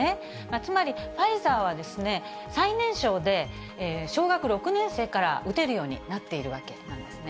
つまり、ファイザーは、最年少で小学６年生から打てるようになっているわけなんですね。